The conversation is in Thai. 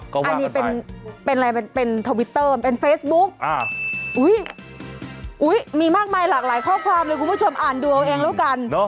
เป็นอะไรเป็นเป็นทวิตเตอร์เป็นเฟซบุ๊กอ่ะอุ้ยอุ้ยมีมากมายหลากหลายข้อความเลยคุณผู้ชมอ่านดูของเองแล้วกัน